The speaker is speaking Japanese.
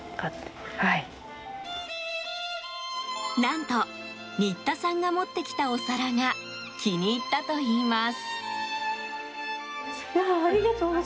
何と新田さんが持ってきたお皿が気に入ったといいます。